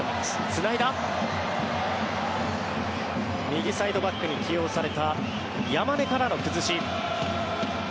右サイドバックに起用された山根からの崩し。